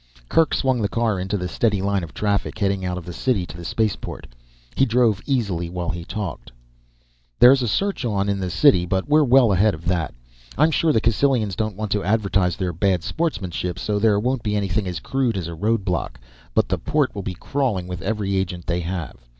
Kerk swung the car into the steady line of traffic heading out of the city to the spaceport. He drove easily while he talked. "There is a search on in the city, but we're well ahead of that. I'm sure the Cassylians don't want to advertise their bad sportsmanship so there won't be anything as crude as a roadblock. But the port will be crawling with every agent they have.